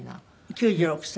９６歳？